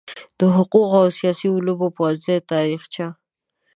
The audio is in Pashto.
د حقوقو او سیاسي علومو پوهنځي تاریخچه